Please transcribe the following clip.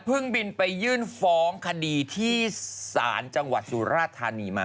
บินไปยื่นฟ้องคดีที่ศาลจังหวัดสุราธานีมา